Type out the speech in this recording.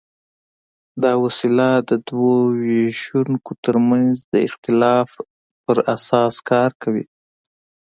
دا وسیله د دوو وېشونو تر منځ د اختلاف په اساس کار کوي.